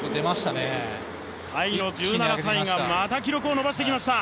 タイの１７歳がまた記録を伸ばしてきました。